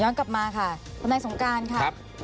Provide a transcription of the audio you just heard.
ย้อนกลับมาค่ะคุณนายสงการค่ะ